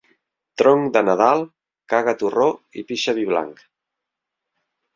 Tronc de Nadal, caga torró i pixa vi blanc.